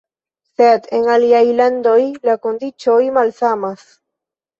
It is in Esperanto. Sed en aliaj landoj la kondiĉoj malsamas.